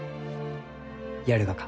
やるがか？